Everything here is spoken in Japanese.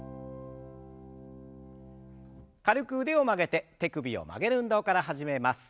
軽く腕を曲げて手首を曲げる運動から始めます。